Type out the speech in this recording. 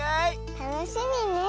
たのしみねえ。